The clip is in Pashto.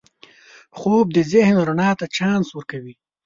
خوب د ذهن رڼا ته چانس ورکوي